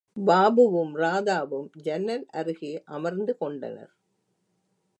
பாபுவும், ராதாவும் ஜன்னல் அருகே அமர்ந்து கொண்டனர்.